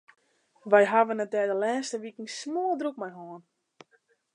Wy hawwe it der de lêste wiken smoardrok mei hân.